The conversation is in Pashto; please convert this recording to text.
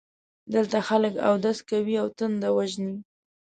دلته خلک اودس کوي او تنده وژني.